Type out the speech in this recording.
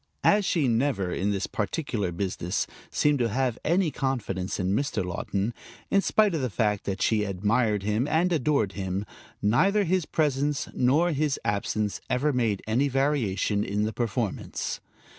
As she never, in this particular business, seemed to have any confidence in Mr. Laughton, in spite of the fact that she admired him and adored him, neither his presence nor his absence ever made any variation in the performance.